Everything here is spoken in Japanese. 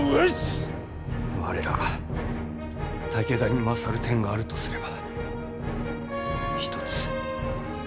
我らが武田に勝る点があるとすれば一つ。